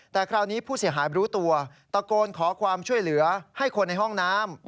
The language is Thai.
แต่คราวนี้ผู้เสียหายรู้ตัวตะโกนขอความช่วยเหลือให้คนในห้องน้ำ